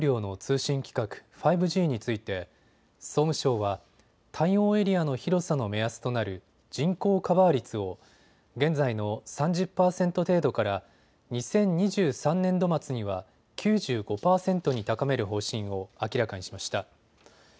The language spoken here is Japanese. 高速・大容量の通信規格５Ｇについて総務省は、対応エリアの広さの目安となる人口カバー率を現在の３０％程度から２０２３年度末には９５％に高める方針を、明らかにしました。